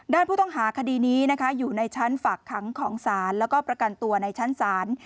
ด้านผู้ต้องหาคดีนี้นะคะอยู่ในชั้นฝากขังของศาลแล้วก็ประกันตัวในชั้นศาล